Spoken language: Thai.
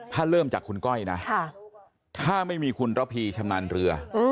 ถ้าเริ่มจากคุณก้อยนะถ้าไม่มีคุณระพีชำนาญเรือ